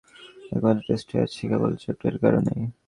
সেটিই এখনো পর্যন্ত ক্যারিয়ারের একমাত্র টেস্ট হয়ে আছে কেবল চোটের কারণেই।